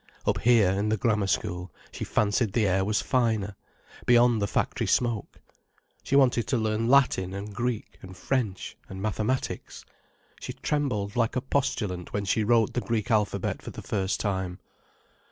Up here, in the Grammar School, she fancied the air was finer, beyond the factory smoke. She wanted to learn Latin and Greek and French and mathematics. She trembled like a postulant when she wrote the Greek alphabet for the first time.